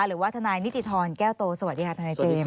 หรือว่าทนายนิติธรแก้วโตสวัสดีค่ะทนายเจมส